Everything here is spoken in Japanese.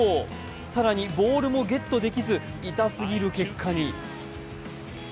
更にボールもゲットできず痛すぎる結果に。